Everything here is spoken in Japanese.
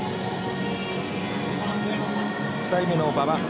２人目の馬場。